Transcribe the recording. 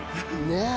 ねえ。